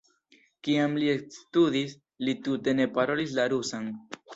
Kiam li ekstudis, li tute ne parolis la rusan.